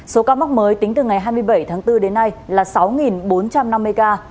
số ca mắc mới tính từ ngày hai mươi bảy tháng bốn đến nay là sáu bốn trăm năm mươi ca